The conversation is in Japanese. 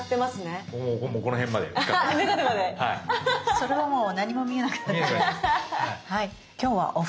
それはもう何も見えなくなっちゃいます。